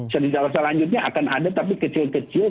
cerita selanjutnya akan ada tapi kecil kecil